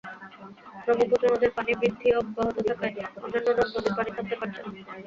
ব্রহ্মপুত্র নদের পানি বৃদ্ধি অব্যাহত থাকায় অন্যান্য নদ-নদীর পানি নামতে পারছে না।